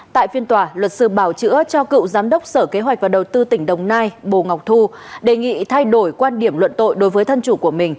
tại phiên tòa luật sư bảo chữa cho cựu giám đốc sở kế hoạch và đầu tư tỉnh đồng nai bồ ngọc thu đề nghị thay đổi quan điểm luận tội đối với thân chủ của mình